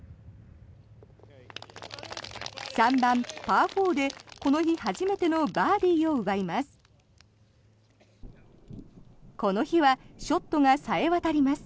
３番、パー４でこの日初めてのバーディーを奪います。